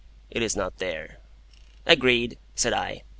"It is not there." "Agreed," said I.